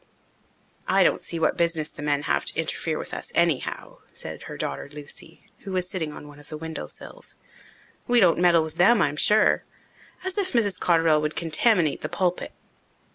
"I don't see what business the men have to interfere with us anyhow," said her daughter Lucy, who was sitting on one of the window sills. "We don't meddle with them, I'm sure. As if Mrs. Cotterell would contaminate the pulpit!"